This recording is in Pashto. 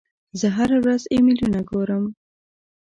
زه هره ورځ ایمیلونه ګورم.